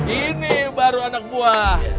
ini baru anak buah